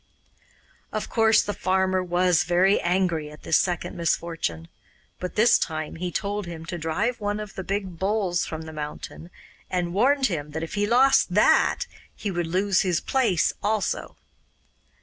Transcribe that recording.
Of course, the farmer was very angry at this second misfortune; but this time he told him to drive one of the big bulls from the mountain, and warned him that if he lost THAT he would lose his place also.